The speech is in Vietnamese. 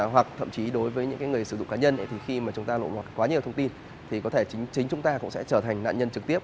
hoặc thậm chí đối với những người sử dụng cá nhân thì khi mà chúng ta lộ lọt quá nhiều thông tin thì có thể chính chúng ta cũng sẽ trở thành nạn nhân trực tiếp